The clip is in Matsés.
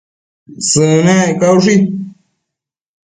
Sënec caushi